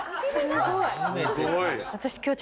すごい。